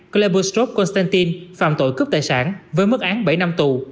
cleberstrop konstantin phạm tội cướp tài sản với mức án bảy năm tù